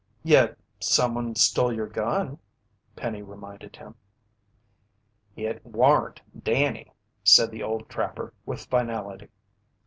"Yet someone stole your gun," Penny reminded him. "It waren't Danny," said the old trapper with finality.